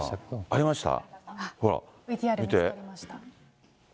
ありました？